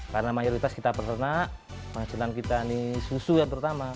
karena mayoritas kita pertena penghasilan kita ini susu yang pertama